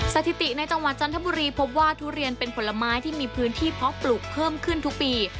สถิติในจังหวัดจันทบุรีพบว่าทุเรียนเป็นผลไม้ที่มีพื้นที่เพาะปลูกเพิ่มขึ้นทุกปี